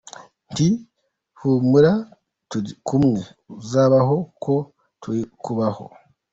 Nti humura turi kumwe, uzabaho uko turi kubaho.